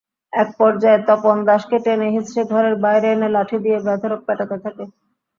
একপর্যায়ে তপন দাসকে টেনে-হিঁচড়ে ঘরের বাইরে এনে লাঠি দিয়ে বেধড়ক পেটাতে থাকে।